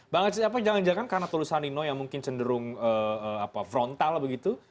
bang aziz apa jangan jangan karena tulisan nino yang mungkin cenderung frontal begitu